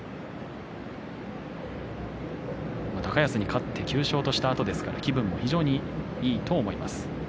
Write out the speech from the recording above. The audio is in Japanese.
高安に勝って９勝としたあとですから気分も非常にいいと思います。